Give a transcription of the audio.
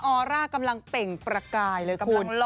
ออร่ากำลังเป็นก์ประกายเลยคุณ